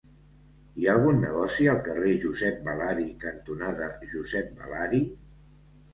Hi ha algun negoci al carrer Josep Balari cantonada Josep Balari?